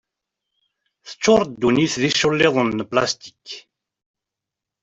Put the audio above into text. Teččur ddunit d iculliḍen n plastik.